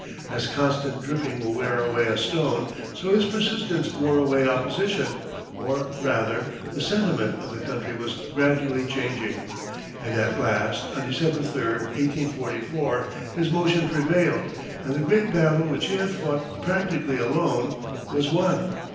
As constant dripping will wear away a stone, so his persistence wore away opposition, or, rather, the sentiment of the country was gradually changing, and at last, on December 3, 1844, his motion prevailed, and the great battle which he had fought practically alone was won.